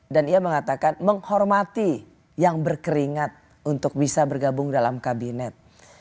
dan ia mengatakan menghormati yang berkeringat untuk bisa bergabung dalam kabinet